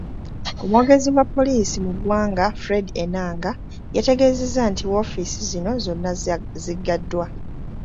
Omwogezi wa Poliisi mu ggwanga Fred Enanga, yategeezezza nti woofiisi zino zonna ziggaddwa.